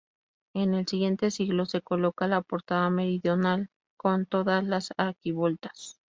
En el siguiente siglo, se colocó la portada meridional, con todas las arquivoltas.